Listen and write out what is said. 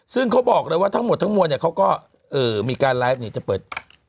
ซึ่งเขาบอกเลยว่าทั้งหมดทั้งมวลเนี่ยเขาก็มีการไลฟ์จะเปิด